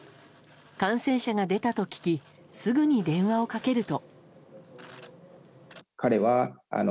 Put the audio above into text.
感染者が出たと聞きすぐに電話をかけると。